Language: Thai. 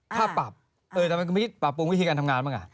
ถ้าปรับเออทำไมคุณไม่คิดปรับปรุงวิธีการทำงานบ้าง